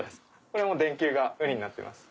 これも電球がウニになってます。